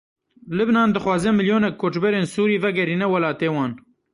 Libnan dixwaze milyonek koçberên Sûrî vegerîne welatê wan.